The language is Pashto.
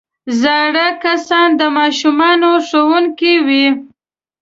زاړه کسان د ماشومانو ښوونکي وي